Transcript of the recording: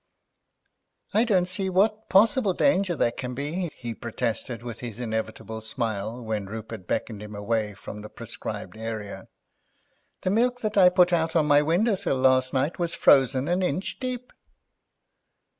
"I don't see what possible danger there can be," he protested, with his inevitable smile, when Rupert beckoned him away from the proscribed area; "the milk that I put out on my window sill last night was frozen an inch deep."